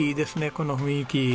この雰囲気。